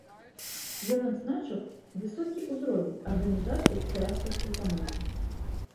Ён адзначыў высокі ўзровень арганізацыі ціраспальскай каманды.